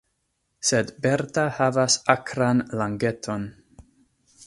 Sed Berta havas akran langeton.